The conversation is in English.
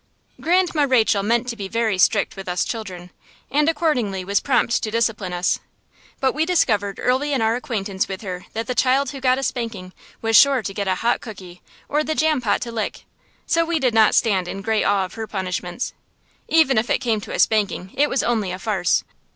Grandma Rachel meant to be very strict with us children, and accordingly was prompt to discipline us; but we discovered early in our acquaintance with her that the child who got a spanking was sure to get a hot cookie or the jam pot to lick, so we did not stand in great awe of her punishments. Even if it came to a spanking it was only a farce.